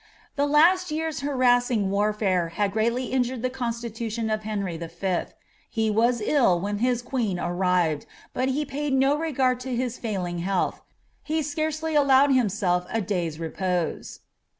'i'he last year''s harassing warfare had greatly injured the constitution of Henry V. He was ill when his queen arrived, but he paid no regard to Ills foiling health — he scarcely allowed himself a day's repose.